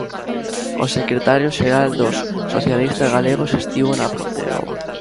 O secretario xeral dos socialistas galegos estivo na Pontenova.